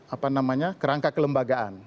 apa namanya kerangka kelembagaan